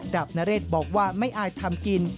บนเรศบอกว่าไม่อายทำกิน